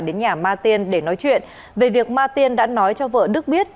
đến nhà ma tiên để nói chuyện về việc ma tiên đã nói cho vợ đức biết